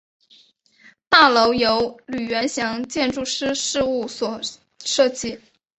大楼由吕元祥建筑师事务所设计。